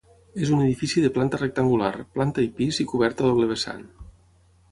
És un edifici de planta rectangular, planta i pis i coberta doble vessant.